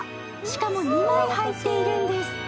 しかも２枚入っているんです。